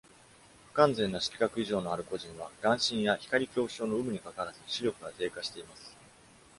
不完全な色覚異常のある個人は、眼振や光恐怖症の有無にかかわらず、視力が低下しています。